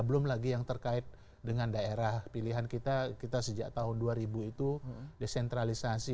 belum lagi yang terkait dengan daerah pilihan kita kita sejak tahun dua ribu itu desentralisasi